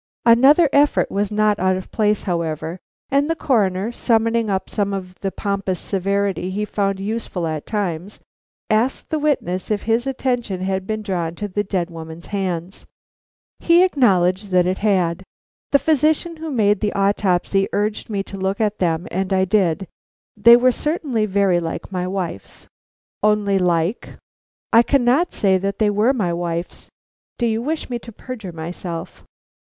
Another effort was not out of place, however; and the Coroner, summoning up some of the pompous severity he found useful at times, asked the witness if his attention had been drawn to the dead woman's hands. He acknowledged that it had. "The physician who made the autopsy urged me to look at them, and I did; they were certainly very like my wife's." "Only like." "I cannot say that they were my wife's. Do you wish me to perjure myself?"